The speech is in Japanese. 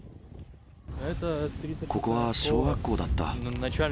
ここは小学校だった。